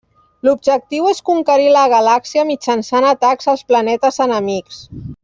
L'objectiu és conquerir la galàxia mitjançant atacs als planetes enemics.